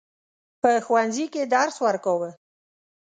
په ښوونځي کې درس ورکاوه.